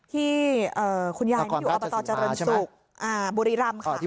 ที่คุณยายอยู่อับตราจรรย์สุขบุรีรำค่ะ